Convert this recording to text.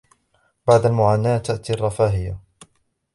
بعد المعاناة تأتي الرفاهية